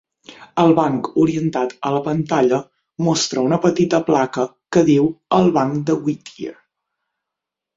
El banc orientat a la pantalla mostra una petita placa que diu, el banc de Whittier.